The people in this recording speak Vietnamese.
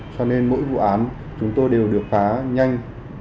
cho nên mỗi vụ án chúng tôi đều được khá nhanh